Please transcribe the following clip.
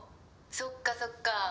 そっかそっか。